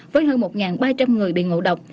với hơn một ba trăm linh người bị ngộ độc